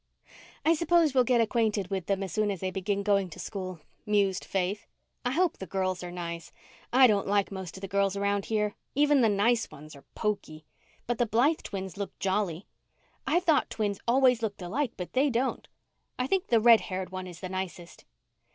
"I suppose we'll get acquainted with them as soon as they begin going to school," mused Faith. "I hope the girls are nice. I don't like most of the girls round here. Even the nice ones are poky. But the Blythe twins look jolly. I thought twins always looked alike, but they don't. I think the red haired one is the nicest."